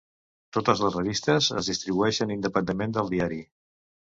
Totes les revistes es distribueixen independentment del diari.